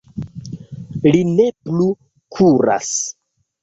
Li ne plu kuras.